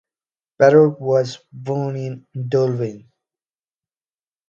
Parrott was born in Dublin.